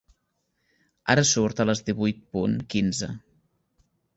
Ara surt a les divuit punt quinze.